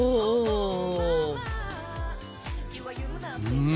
うん！